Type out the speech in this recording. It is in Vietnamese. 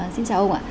xin chào ông ạ